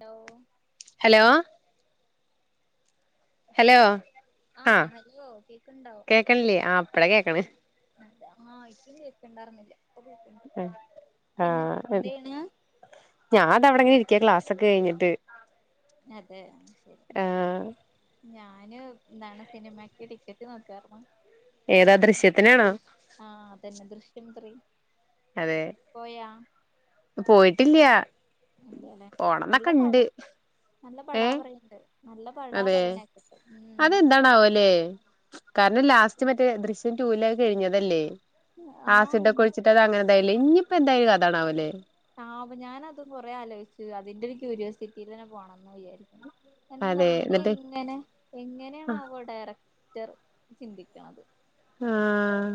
Hello- hello- hello ആഹ് hello കേക്ക്ണ്ടോ? ക്ക്ൺല്ലേ ആഹ് ഇപ്പളാ കേക്ക്ണേ- അതാ ആഹ് ഇക്കും കേക്ക്ണ്ടായിരുന്നില്ല ഇപ്പൊ കേക്ക്ണ്ട് പിന്നെ എന്ത് ചെയ്യണ്? ഞാ ത ഇവടെങ്ങനെ ഇരിക്കാ ക്ലാസ്സൊക്കെ കഴിഞ്ഞട്ട്- അതെ ശെരി- ആഹ് ഞാന് എന്താണ് സിനിമക്ക് ടിക്കറ്റ് നോക്കാര്ന്നു. ഏതാ ദൃശ്യത്തിനാണോ? ആഹ് അതന്നെ ദൃശ്യം ത്രീ- അതേ പോയാ പോയിട്ടില്ലൃ- ഇല്ലല്ലേ നല്ല പട നല്ല പടാ ഏഹ് പറയ്ണ്ട് നല്ല പടാ പറിണേക്കട്ടെ ഉം. ന്താണാവല്ലേ- കാരണം ലാസ്റ്റ് മറ്റേ ദൃശ്യം റ്റൂലെ അത് കഴിഞ്ഞതല്ലേ ഉം ആഹ് ആസിഡൊക്കെ ഒഴിച്ചിട്ട് അങ്ങനെന്തായാലാ ഇഞ്ഞിപ്പൊ എന്താ അയില് കഥാണാവലേ- ആവോ ഞാനതും കൊറേ ആലോയിച്ച് അതിന്റെ ഒരു ക്യൂരൃസിറ്റിയിൽ തന്നെ പോണംന്ന് വിചാരിക്ക അതെ എന്തന്നറിയോ ഇനി എന്നിട്ട് എങ്ങനെ എങ്ങനെയാണാവോ ഡയറ റ്റർ ചിന്തിക്ക്ണത്- ആഹ്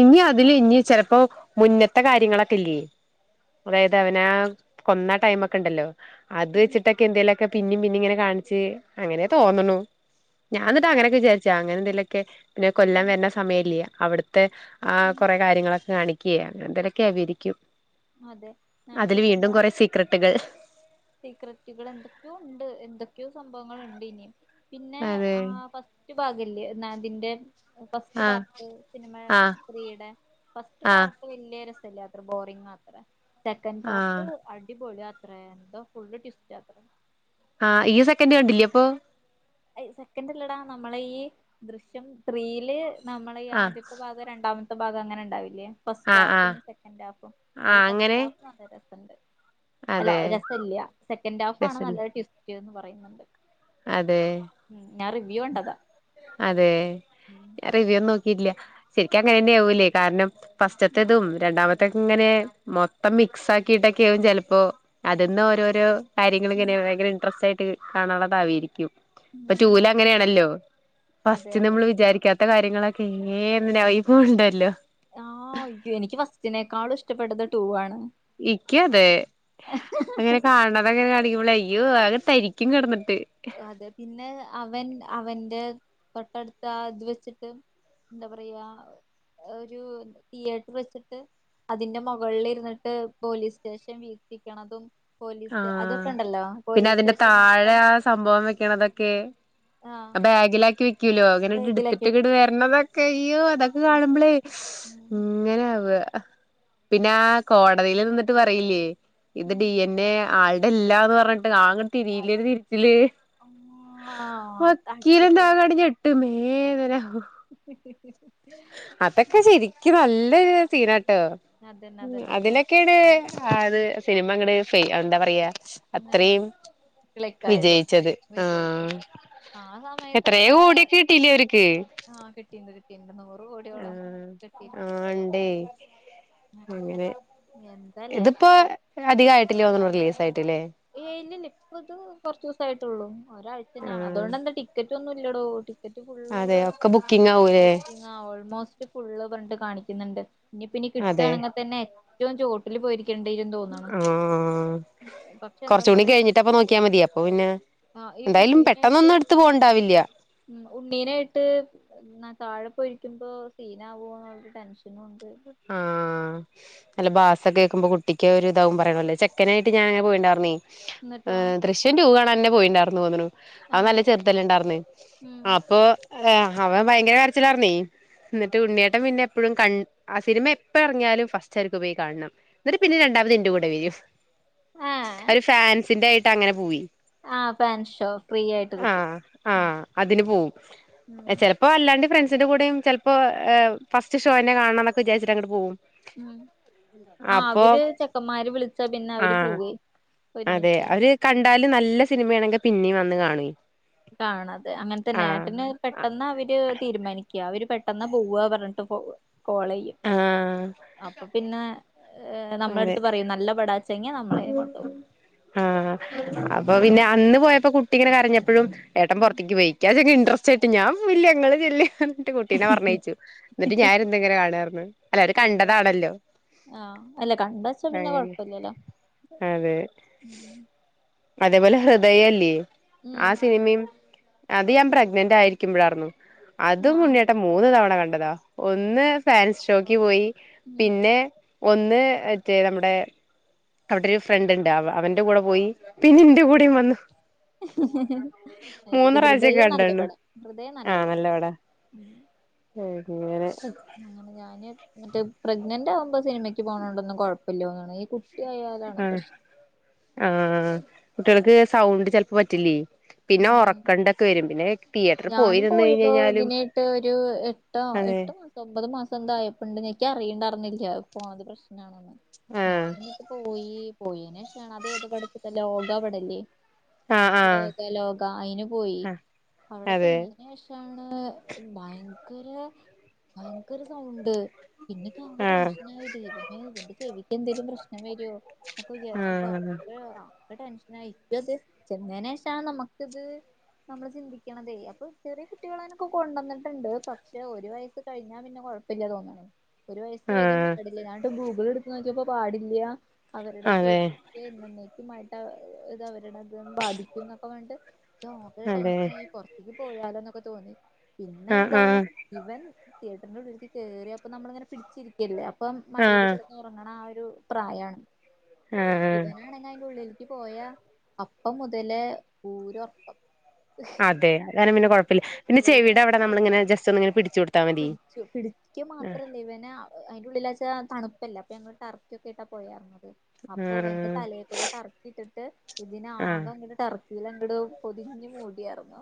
ഇനി അതില് ഇനി ചെലപ്പോ മുന്നത്തെ കാര്യങ്ങളൊക്കെ ഇല്ലേ അതായത് അവനാ കൊന്ന ടൈമൊക്കെ ഇണ്ടല്ലോ അത് ഉം വെച്ചിട്ടൊക്കെ എന്തേലൊക്കെ പിന്നിം പിന്നിം ഇങ്ങനെ കാണിച്ച് അങ്ങനെ തോന്ന്ണു ഞാ ഇന്നട്ട് അങ്ങനൊക്കെ വിചാരിച്ചു- അങ്ങനെ എന്തേലൊക്കെ പിന്നെ കൊല്ലം ഉം വര്ണ സമയല്ലേ അവിട്ത്തെ ആഹ് കൊറേ ഉം കാര്യങ്ങളൊക്കെ കാണിക്ക എന്തലൊക്കെ അവരിക്കും അതെ ആണ് അതില് വീണ്ടും പിന്നെന്താ കൊറേ സീക്രട്ടുകൾ സീക്രറ്റുകൾ എന്തൊക്കെയോ ഇണ്ട് എന്തൊക്കെയോ സംഭവങ്ങള്ണ്ട് ഇനി പിന്നെ അതെ ആഹ് ഫസ്റ്റ് റ്റ് ഭാഗല്ലേ നാതിന്റെ ഫസ്റ്റ് ആഹ് പാർട്ട് സിനിമ ആഹ് ത്രീയുടെ ഫസ്റ്റ് ആഹ് പാർട്ട് വലിയ രസല്ല യാത്ര ബോറിംഗ് യാത്ര സെക്കൻഡ് പാർട്ട് ആഹ് അടിപൊളി യാത്ര എന്തോ ഫുള് ടിസ്റ്റ്ത്ര ആഹ് ഈ സെക്കൻഡ് കണ്ടില്ലേ അപ്പൊ സെക്കൻഡല്ലടാ നമ്മള ഈ ദൃശ്യം ത്രീയില് നമ്മള ഈ ആഹ് ആദ്യത്തെ പാ രണ്ടാമത്തെ ഭാഗം അങ്ങനെ ഉണ്ടാവില്ലേ ഫസ്റ്റ് ആഹ് ഹാഫും ആഹ് സെക്കൻഡ് ഹാഫും ആഹ് അതില് അങ്ങനെ ഫസ്റ്റ് ഹാഫും നല്ല രസമുണ്ട് അല്ല അതെ രസ ഇല്ല സെക്കൻഡ് ഹാഫ് ആണ് രസല്ലേ നല്ല ട്വിസ്റ്റ് എന്ന് പറയണ്ട് അതെ കണ്ടതാ അതെ ഉം റിവ്യൂും നോക്കി ശരിക്ക അങ്ങനെ തന്നെയ ആവൂലേ കാരണം ഫസ്റ്റത്തേതും രണ്ടാമത്തെ അതക്ക ഇങ്ങനെ മൊത്തം മിക്സ് ആക്കിട്ടൊക്കെ ആകും ചിലപ്പോ അതിൽന്ന് ഓരോരോ കാര്യങ്ങള ഇങ്ങനെ ഭയങ്കര ഇൻട്രസ്റ്റ് ആയിട്ട് കാണാനുള്ളതാവയിരിക്കും ഇപ്പൊ ഉം ടുവിൽ അതെ അങ്ങനെയാണല്ലോ അതെ ഫസ്റ്റ് അതെ നമ്മൾ വിചാരിക്കാത്ത കാര്യങ്ങളൊക്കെ ഏപ്പോ ഉണ്ടല്ലോ ആഹ് എനിക്ക് ഫസ്റ്റിനേക്കാളും ഇഷ്ടപ്പെട്ടത് ടൂ ആണ് ഇക്ക അതെ അങ്ങനെ കാണ അതങ്ങനെ കാണിക്കുമ്പോ അയ്യോ അങ്ങെ തരിക്കും കിടന്നിട്ട് അതെ പിന്നെ അവൻ അവന്റെ തൊട്ടടുത്ത ഇത് വെച്ചിട്ട് എന്താ പറയാ ഒരു തിയേറ്റർ വെച്ചിട്ട് അതിന്റെ മുകളിൽ ഇരുന്നിട്ട് പോലീസ് സ്റ്റേഷൻ വീഷിക്കണതും പോലീസ് സ്‌റ്റേ ആഹ് അതൊക്കെ ഉണ്ടല്ലോ പിന്നെ പോലീസ് അതിന്റെ സ്റ്റേഷൻ മൊത്തം താഴെ ആ സംഭവം വെക്കണ അതൊക്കെ ആഹ് ബാഗിലാക്കി വെക്കൂല്ലോ അങ്ങനെ ബേഗിലൊക്കെ എടുത്തിട്ട് വരണതൊക്കെ അയ്യോ അതൊക്കെ കാണുമ്പോളേ ഉം ഇങ്ങനെ ആവ പിന്നെ ആഹ് കോടതിയിൽ നിന്നിട്ട് പറയില്ലേ ഇത് ഉം ഡി എ ന്നെ ആളുടെ ഇല്ലാന്ന് പറഞ്ഞിട്ട് അങ്ങട്ട് തിരില്ല തിരിച്ചില് ആഹ് അത് വക്കീല എന്താ അടിപൊളി ഞട്ടിട്ട് ഇട്ട് മേദന [inaudible] അതൊക്കെ ശരിക്കും നല്ലൊ സീനാട്ടോ അതന്നെ അതന്നെ അത് അതിനൊക്കെ അത് സിനിമ അങ്ങടെ ഫ എന്താ പറയാ അത്രയും ക്ലിക്കായത് വിജയിച്ചത് ആഹ് വിജയിച്ചത് ആ എത്രയ സമയത്തൊക്കെ കോടിയൊക്കെ കിട്ടില്ലേ അവർക്ക് ആഹ് കിട്ടീയിണ്ട് കിട്ടീയിണ്ട് നൂറ് കോടിയോളം ആഹ് കിട്ടീയില്ല ആഹ് ഇണ്ടേ അഹ് എന്തല്ലേ അധിക ആയിട്ടില്ലതോന്നുന്നു റിലീസ് ആയിട്ടല്ലേ ഏയ് ഇല്ലല്ല ഇപ്പൊ ഇത് കൊറച്ച് ദിവസ ആട്ടുള്ളൂ ഒരാഴ്ചനാണ് ആഹ് അതുകൊണ്ട് എന്താ ടിക്കറ്റ് ഒന്നും ഇല്ലടോ ടിക്കറ്റ് അതെ ഫുള്ള് ഒക്കെ ബുക്കിംഗ് ആകലേ ബുക്കിംഗാ ഓൾമോസ്റ്റ് ഫുള്ള് പറഞ്ഞ് കാണിക്കുന്നുണ്ട് ഇനി പിന്നനി അതെ കിട്ടുകയാണെങ്കിൽ തന്നെ ചോട്ടിൽ പോയിരിക്കും ണ്ടിരുന്നു ആഹ് കുറച്ച കൂടി എന്താന്നറിയോ കഴിഞ്ഞിട്ട് അപ്പ നോക്കിയാൽ മതി അപ്പൊ പിന്നെ ആഹ് ഈ എന്തായാലും കുട്ടീനായിട്ട് പെട്ടെന്നൊന്നും എടുത്ത് പോവണ്ടാവില്ല ഉം ഉണ്ണീനായിട്ട് എന്നാ താഴെപ്പോയിരിക്കുമ്പോ സീനാവുമോ എന്നരു ടെൻഷനുണ്ട് ആഹ് അല്ല ബാസൊക്ക കേക്കുമ്പോ കുട്ടിക്ക് ഒരുരിതാവും പറയണല്ലേ ചെക്കനായിട്ട ഞാനങ്ങെ പോയിണ്ടായിന്നേ എന്നിട്ടോ ഏഹ് ദൃശ്യം ടു കാണാൻ തന്നെ പോയിണ്ടായിന്ന് പോന്നു അത് ആഹ് നല്ല ചെറുതല്ല ഇണ്ടായിർന്ന ഉം അപ്പൊ ആഹ് അവൻ ഭയങ്കര വരച്ചിലറന്നീ എന്നിട്ട് ഉണ്ണിയേട്ടൻ പിന്നെ എപ്പോഴും ക ആഹ് സിനിമ എപ്പഇറങ്യാലും ഫസ്റ്റ് ആവര്ക്ക് പോയി കാണണം എന്നിട്ട് പിന്നിം രണ്ടാമത് എന്റെ കൂടെ വെരും ഏഹ് അവര് ഫാൻസിന്റായിട്ട അങ്ങനെ പോയി ആഹ് ഫാൻഷോ ഫ്രീ ആയിട്ട് കിട്ടും ആഹ് ആഹ് അതിന്പോവും ഉം ചെ പ്പോഅല്ലാണ്ട് ഫ്രണ്ട്സിന്റെറെ കൂടെയും ചെൽപ്പോ ഫസ്റ്റ്ഷോയെന്നെ കാണാണംന്നൊക്കെ വിചാരിച്ചട്ടഅങ്ങട്ട് പോവും ഉ ആഹ് അപ്പൊ അവര് ചെക്കന്മാര് വിളിച്ചാ ആഹ് പിന്നെഅവര്പോവേ അതെ അവര് കണ്ടാല് നല്ല സിനിമയാണെങ്ക പിന്നിം വന്ന്കാണേ കാണാതെ അങ്ങൻത്തന്നേ ഏട്ടന് പെ ട്ടെന്ന അവര് തീരുമാനിക്ക അവര് പെട്ടെന്നപോവ പറഞ്ഞിട്ട് പോവ കോളയ്യും ആഹ് അപ്പൊപിന്നെ ഏഹ് അതെ നമ്മളെട്ത്ത് പറയും നല്ലപടാച്ചങ്ങ്യ നമ്മളേയുംകൊണ്ടൊവും ആഹ് അപ്പൊ പിന്നെ അന്ന്പോയപ്പോ കുട്ടിങ്ങനെകരഞ്ഞ പ്പഴും ഏട്ടംപുറത്ത്ക്ക്പോയി ഇക്ക്യാച്ചാ ഇൻഡ്രറസ്റ്റ്ആയിട്ട് ഞാൻപോവില്ല്യാ ഇങ്ങള്ചെല്ലിഅർഞ് ട്ടി കുട്ടീനെ പർണയിച്ചു എന്നിട്ട് ഞാൻ ഇരുന്ന് ഇങ്ങനെ കാണാർന്ന് അല്ല അതെ അവര്കണ്ടതാണല്ലോ ആഹ് അല്ലെ കണ്ടച്ചാപിന്നെ കൊഴപ്പല്ല്യല്ലോ അതെ മ് അതേപോലെ ഹൃദയല്ല്യേ ഉം ആഹ് സിനിമി അത് ഞാൻ പ്രഗ്നനന്റായിരിക്കുമ്പഴാർന്നു ആഹ് അതും ആഹ് ഉണ്ണിയേട്ടൻ മൂന്ന്തവണ കണ്ടതാ ഒന്ന് ഫേൻഷോക്ക്പോയി ഉം പിന്നെ ഒന്ന് മറ്റേ നമ്മുടെ അവിടെരു ഫ്രണ്ട് ഇണ്ട് അവന്റെ കൂടെ പോയി പിന്നെന്റെ കൂടെയുംവന്നു അഹ് ശരി പ്രാവശ്യം ഹൃദയം നല്ല പട ഹൃദയം നല്ലപട ഏഹ് അങ്ങനെ അങ്ങനെ ഞാന് ന്നട്ട് പ്രഗ്നന്റാവുമ്പോ സിനിമക്ക് പോണോണ്ടന്നും കൊഴപ്പയില്ല്യ തോന്ന്ണ് ഈ കു കുട്ടി ആയലാണ് ആഹ് പ്രശ് ആഹ് കുട്ടികൾക്ക് സൗണ്ട് ചെലപ്പൊ പറ്റില്ലേ പിന്നെ ഉം ഉറക്കണ്ട ക് വരും പിന്നെ കഴി ഞാനും പോയിടൊ ഇതിനായിട്ട് ഒരു എട്ടോ അതെ എട്ട്മാസ തൊമ്പത് മാസം എന്തായപ്പണ്ട് ഞക്ക്യ അറിയിണ്ടായിർന്നില്ല്യ പോണത് പ്രശ്നാണെന്ന് ആഹ് ഞാനിന്നട്ട്പോയി പോയനേഷാണ് അതേ ഏത് പടത്ത്ത ലോകപടല്ല്യേ ആഹ് ആഹ് ലോകലോക അയിന്പോയി ആഹ് അതെ അവടെതന്നെ അയിന്ശേ ഷാണ് ഭയങ്കര ഭയങ്കരസൗണ്ട് പിന്നെക്കി ആക ആഹ് ടെൻഷനായി ദൈവമേ ഇതന്റെചെവിക്ക്എന്തേലും പ്രശ്നംവെരോ നൊക്ക വിചാരിച്ച്ട്ടോ ആഹ് ഒര് ആഹ് ഒര് ടെൻഷനായി ചെന്നേനശാണ് നമ്മക്കിത് നമ്മള്ചിന്തി ക്യണതെ അപ്പം ചെറ്യേ കുട്ടികളേനോക്കെ കൊണ്ടന്നിട്ട്ണ്ട് പക്ഷെ ഒരുവയസ്സ് കഴിഞ്ഞാ പിന്നെ കുഴപ്പല്ല്യ തോന്ന ഒരുവയസ്സ് വെരീം ആഹ് പാടില്ല ഞാനിട്ട് ഗൂഗിൾ ഇട്ത്ത്നോക്കിയപ്പോ പാടില്ല്യ അവരുടെ അതെ ചെവി ക്കേ എന്നന്നേക്കുമായിട്ട ഇത് അവരുടെ അത് ബാധിക്കും ന്നൊക്കെപറഞ്ഞിട്ട് ഇക്കി ആകെ ടെൻ അതെ പൊർത്ത്ക്ക് പോയാലോന്നൊക്കെ തോന്നി പിന്നെ ആഹ് എന്താള്ളേ ആഹ് ഇവൻ തിയേറ്ററിന്റെ ഉള്ളിൽക്ക് കേറിയപ്പം നമ്മളിങ്ങനെ പിടിച്ചിരിക്കല്ലേ ആഹ് അപ്പംമടീല്കെട ഉറങ്ങണ ആഹ് ഒരു പ്രായാണ് ആഹ് ഇവനാണെങ്ങ അയിന്റെഉള്ളിൽ ക്ക്‌പോയ അപ്പംമുതലേ പൂര ഒർക്കം അതെ അതാനും പിന്നെ കുഴപ്പല്ല്യ ഒരുനനക്ക് കൊടുത്താ മതി പിടിച്ചു ആഹ് പിടിക്കമാത്രല്ലേ ഇവനെ അയിന്റെ ഉള്ളിലാച്ച തണുപ്പല്ലേ അപ്പൊ ഞങ്ങള് ടർക്കിയൊക്കെട്ടാ പോയാർന്നത് അപ്പൊ ഇവന്റെ തലേക്കൂടെ ടർക്കിട്ടിട്ട് ഇതിന ആഹ് ആകെ ഇങ്ങട്ട് ടർ ഇതിലന്റ്ടു പൊതിഞ്ഞ് മൂടിയാർന്നു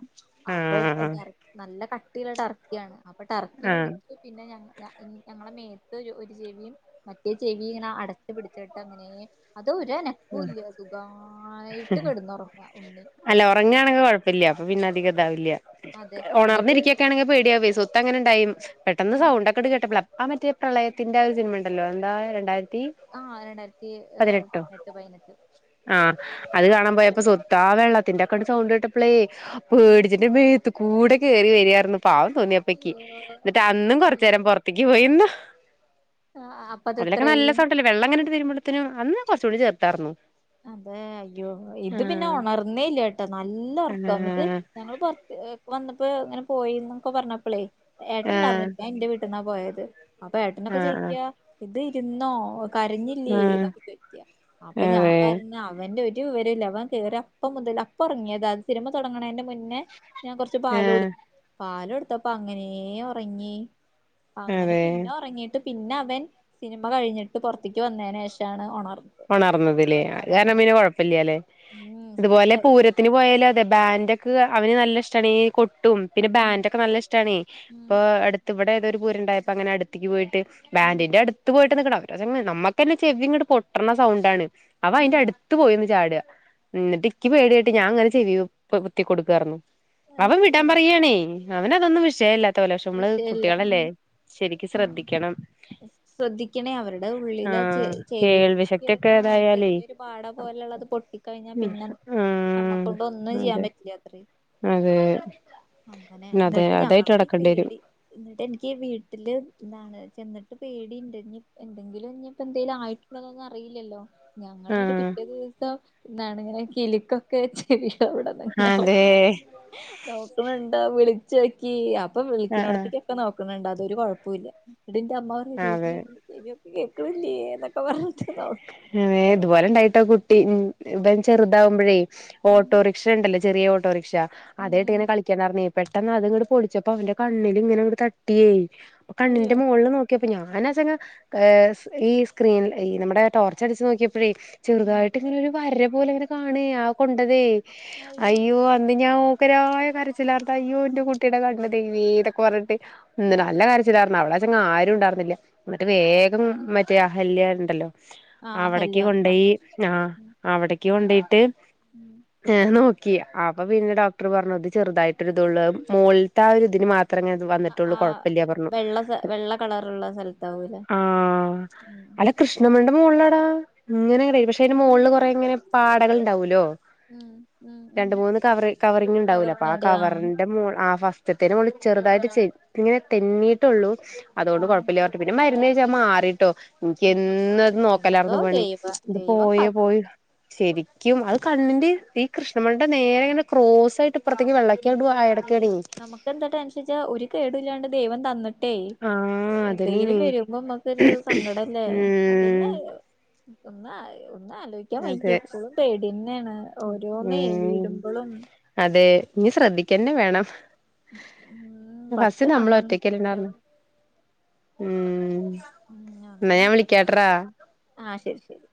അപ്പൊ ആഹ് ടർ നല്ല കട്ടിയിള്ള ടർ ക്യാണ് അപ്പൊടറക്കിം ആഹ് പിടിച്ചു പിന്നെ ഞങ്ങ ഞ ഇൻ ഞങ്ങളെമേത്തൊരു ഒര് ചെവിയിം മറ്റേചെവി ഇങ്ങനെഅടച്ച്പിടിച്ചിട്ട് അങ്ങനേ അതൊരന കൂല്ല സുഖായിട്ട് കെടന്നൊറങ്ങ ഉണ്ണി പ്പയില്ല്യ അപ്പൊപിന്നെ അധികഇതാവില്ല്യ അതെ എന്നിട്ട് ഉണർന്നിരിക്കൊക്കൊണെങ്കിൽ പേടിയാവെ സ്വത്ത് അങ്ങനെ ഉണ്ടായി പെട്ടെന്ന് സൗണ്ടക്കെ എടു കേട്ടെപ്പെ ആ മറ്റേ പ്രളയത്തിന്റെ ഒരു സിനിമ ഉണ്ടല്ലോ എന്താ രണ്ടായിരത്തി ആഹ് രണ്ടായിരത്തി ഏ പതിനെട്ടോ പതിനെട്ട് പതിനെട്ട് ആഹ് അത് കാണാൻ പോയപ്പ സ്വത്താ ആ വെള്ളത്തിന്റെക്കെണ്ട് സൗണ്ട് കേട്ടപ്പളേ ഉം പേടിച്ചിട്ട് മേത്ത് കൂടെ കേറി വരിയായിരുന്നു പാവം തോന്നിയപ്പക്ക് അയ്യോ എന്നിട്ടന്നും അയ്യോ കൊറച്ച്നേരം പൊർ ത്തിക്ക് പോയിന്നു. അതിലൊക്കെ നല്ല അപ്പതെത്രയായി സൗണ്ടല്ലേ വെള്ളം അങ്ങനട്ട് തീരുമ്പോട്ത്തിനും അന്ന് കൊറച്ചുകൂടി ചെർതാര്ന്നു അതെ അയ്യോ ഇത് പിന്നെ ഉണർന്നേല്ല ട്ടോ നല്ല ഉറക്കാ വന്നിട്ട് ആഹ് ഞങ്ങള് പുറത്ത് വന്നപ്പോ ഇങ്ങനെ പോയിന്നൊക്കെ പറഞ്ഞപ്പളേ ആഹ് ഏട്ടനുണ്ടായിരുന്നില്ല ഞാൻ എന്റെ വീട് ട്ട്ന്നാ പോയത്. അപ്പൊ ഏട്ടനൊക്കെ ചോയിക്ക ആഹ് ഇത് ഇരുന്നോ? കരഞ്ഞില്ലേ ആഹ് എന്നൊക്കെ ചോയിക്ക അപ്പൊ ആഹ് ഞാൻ അതെ പറഞ്ഞ് അവന്റെ ഒരു വിവരോം ഇല്ല അവൻ കേറിയ അപ്പം മുതൽ അപ്പ ഇറങ്ങിയത അത് സിനിമ തുടങ്ങണേന്റെ മുന്നേ ഞാൻ കൊറച്ച് പാല് ആഹ് കൊടുത്ത് പാല് കൊടുത്തപ്പ അങ്ങനെ ഉറങ്ങി അങ്ങനെ അതെ പിന്നെ ഉറങ്ങീട്ട് പിന്നെ അവൻ സിനിമ കഴിഞ്ഞിട്ട് പുറത്തക്ക് വന്നേന് ശേഷാണ് ഉണർന്നത് ഉണർന്നത് ലേ അത് കാരണം ഉണർന്നത് പിന്നെ കുഴപ്പ്യല്ല ലേ? ഉം ഇത് പോലെ സുഖായി പൂരത് ത്തിന് പോയാലോ അതെ ബാൻഡക്ക് അവന് നല്ല ഇഷ്ട്ടാണീ കൊട്ടും പിന്നെ ഉം ബാന്റൊക്കെ നല്ല ഇഷ്ടാണെ ഉം ഇപ്പൊ അടുത്ത് ഇവിടെ ഏതോരു പൂരുണ്ടായപ്പോ അങ്ങനെ അടുത്തക്ക് പോയിട്ട് ഉം ബാന്റിന്റെ അടുത്ത് പോയിട്ട് നിക്കണം. [unintelligible] നമ്മക്കന്നെ ചെവി ഇങ്ങട് പൊട്ടണ സൗണ്ടാണ്. അവ ഉം അയിന്റട് ത്ത് പോയിര്ന്ന് ചാടാ എന്നിട്ടക്കി പേടിയായിട്ട് ഞാൻ അങ്ങനെ ചെവിക്കെ പൊത്തി കൊടുക്കായിര്ന്നു. അവൻ വിടാൻ പറയാണേ അവനതൊന്നും വിഷയില്ലാത്ത പോലെ പക്ഷെ നമ്മളത് കുട്ട്യേളല്ലേ ആഹ് ശ്രദ്ധിക്കണേ അവരുടെ ഉള്ളിലാ ചെ ആഹ് ചെവി കേൾവി ശക്തിയൊക്കെ ആഹ് ഇതായാലേ ചെറിയൊരു പാട പോലുള്ളത് പൊട്ടിക്കഴിഞ്ഞാ ഉം പിന്നെ ആഹ് നമ്മക്കൊണ്ട് ഒന്നും ചെയ്യാൻ അതെ പറ്റ് യാത്രി അതെ അങ്ങനെ അതെ എന്നിട്ട് അതായിട്ട് ഞങ്ങൾക്ക് നടക്കേണ്ടി വരും പേടി എന്നിട്ട് എനിക്ക് വീട് ട്ടില് എന്താണ് ചെന്നിട്ട് പേടിണ്ട് ഇനി എന്തെങ്കിലും ഇഞ്ഞിപ്പോ എന്തേലും ആയിട്ടുണ്ടോന്നൊന്നും അറിയില്ലല്ലോ ഞങ്ങളന്നിട്ട് ആഹ് പിറ്റേ ദിവസം ന്നാണ് കിലുക്കം ക്കെ ശെരിയാ അവിടെനിന്നാളീം അതെ നോക്കണണ്ടോ വിളി ച്ചോക്കി അപ്പൊ ആഹ് വിളിക്കിനോടത്തേക്കൊക്കെ നോക്കണണ്ട് അതൊരു കുഴപ്പൂല്ല. ഇടിന്റെ അമ്മ ആഹ് അതെ [unintelligible] ചെവിയൊക്കെ കേക്കിണില്ലേ എന്നൊക്ക പറഞ്ഞിട്ട് നോക്ക ഇതുപോലെ ഇണ്ടായിട്ടാ കുട്ടി ഉം ഇവൻ ചെറുതാവുമ്പോഴേ ഉം ഓട്ടോറിക്ഷ ഇണ്ടല്ലേ ചെറിയ ഓട്ടോറിക്ഷ ഉം അതായിട്ട് ഉം ഇങ്ങെനെ കളി ക്കിനാർന്നെ പെട്ടെന്ന് അത്ങ്ങട്ട് പൊളിച്ചപ്പോ അവന്റെ കണ്ണിലിങ്ങനെ തട്ടിയേ അപ്പൊ അയ്യോ കണ്ണിന്റെ മോള് നോ ക്കിയപ്പോ ഞാനാച്ചയിങ്ങനെഏഹ് ഈ സ്ക്രീനിൽ ഈ നമ്മടെ ടോർച്ച് അടിച്ചു നോക്കിയ പ്പഴെ ഉം ചെറുതായിട്ടിങ്ങനെരു വര പോലെങ്ങനെ കാണെ ആ കൊണ്ടതേ അയ്യോ അന്ന് ഞാൻ ഭയങ്കരാ കരച്ചിലാർത്ത അയ്യോ എന്റെ കുട്ടിയുടെ കണ്ണ് ദേവീ ഇതക്കെ പറഞ്ഞിട്ട് ഉം അന്ന് നല്ല ഉം. കര ച്ചലാർന്നു അവളാച്ചങ്ങ് ആരും ഉണ്ടായിർന്നില്ല എന്നിട്ട് വേഗം മറ്റേഹല്യാരുണ്ടല്ലോ ആ അവിടക്ക് ഹല്യ കൊണ്ടോയി കണ്ണാശ നാ ഉം അവിടക്ക് കൊണ്ടോയിട്ട് ഉം ഏഹ് നോക്കി അപ്പൊ പിന്നെ ഡോക്ടർ പറഞ്ഞത് ചെറുതായിട്ടിതുള്ളൂ മോളിലത്തെ ആ ഒരു ഇതിന് മാത് ത്രങ്ങേ ഇത് വന്നിട്ടള്ളൂ ആ കുഴപ്പില്ല പറഞ്ഞു. വെള്ള വെള്ള കളറുള്ള സ്ഥലത്താവൂലേ ആഹ് ഉം അല്ല കൃഷ്ണമണിന്റെ മോൾലാടാ ഇങ്ങനെ പക്ഷെ അതിന്റെ മോളില് ദൈവമേ കൊറെങ്ങനെ പാടകൾ ഉണ്ടാവൂല്ലോ ഉം ഉം ഉം രണ്ട് മൂന്ന് കവറി കവറിങ്ങിണ്ടാവൂലെ അപ്പ ആ കവറിന്റെ മോൾ ആ ഫസ് ത്തിന്റെമോള് ചെറുതായിട്ട് ചെ ഇങ്ങനെ തെന്നിയിട്ടുള്ളൂ അതുകൊണ്ട് ഉം കുഴപ്പല്ലാ പർ പിന്നെ മരുന്ന് തേച്ചപ്പം മാറിട്ടോ ഉം എനിക്കെന്നത് എന്തോ നോക്കലാർന്ന് പണി ദൈവ ഇത് ദൈവം പോയൊ കാത്തു പോയൊ ശരിക്കും അത് കണ്ണിന്റെ ഈ കൃഷ്ണമണിടെ നേരെയാണ് ക്രോസായിട്ട് അപ്പറത്തേക്ക് വെള്ളക്കടു ആയടക്കണെ എന്റെ ടെൻഷൻ ച്ചാ ഒരു കേടും ഇല്ലാണ്ട് ദൈവം തന്ന് ട്ടേ ആഹ് എന്തെങ്കിലും അതന്നെയാണേ വരുമ്പോ നമ്മുക്കൊരു സങ്കടല്ലേ ഉം അത്ന്നെ ഒന്നാ ഒന്നലോ ചു അതെ വയ്യ ഒരോന്നെ ഉം വരുമ്പോഴും അതെ ഇനി ശ്രദ്ധിക്കന്നെ വേണം ഉം പത്ത് [unintelligible] നമ്മൾ കണ്ണൊന്നും ഒറ്റക്കന്നെ പോരാ ആർന്നു ഉം എന്ന ഞാൻ വിളിക്കാട്ടോടാ ആഹ് ശരി ശരി